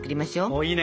おいいね。